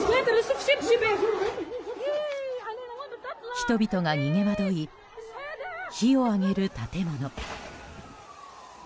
人々が逃げ惑い火を上げる建物。